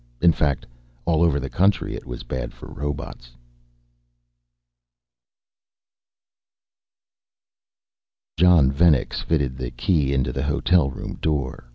In fact, all over the country it was bad for robots.... Jon Venex fitted the key into the hotel room door.